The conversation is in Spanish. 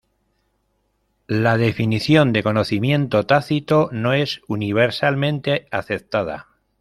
La definición de conocimiento tácito no es universalmente aceptada.